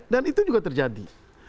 dan itu juga terjadi